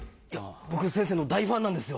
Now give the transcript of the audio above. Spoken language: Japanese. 僕先生の大ファンなんですよ。